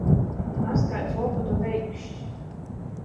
Nazkaids lokotu veikšs.